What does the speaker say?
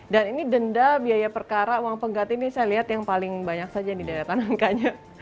dan ini denda biaya perkara uang pengganti ini saya lihat yang paling banyak saja di daerah tanangkanya